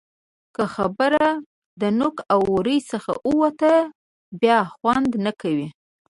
که خبره له نوک او ورۍ څخه ووته؛ بیا خوند نه کوي.